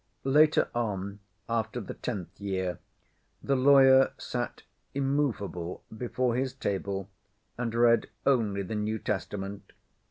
Later on, after the tenth year, the lawyer sat immovable before his table and read only the New Testament.